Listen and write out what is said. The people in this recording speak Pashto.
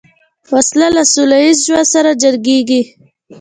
وسله له سولهییز ژوند سره جنګیږي